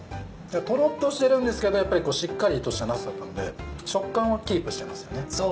トロっとしてるんですけどやっぱりしっかりとしたなすだったんで食感をキープしてますよね。